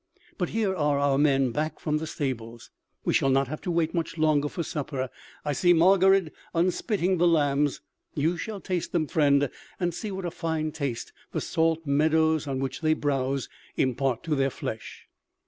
But here are our men back from the stables; we shall not have to wait much longer for supper. I see Margarid unspitting the lambs. You shall taste them, friend, and see what a fine taste the salt meadows on which they browse impart to their flesh."